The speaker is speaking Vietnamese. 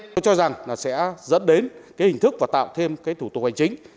tôi cho rằng sẽ dẫn đến hình thức và tạo thêm thủ tục hành chính